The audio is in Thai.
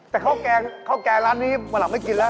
แต่ข้าวแกงข้าวแกงร้านนี้มันหลับไม่กินแล้ว